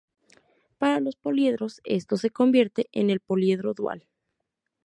Para los poliedros, esto se convierte en el poliedro dual.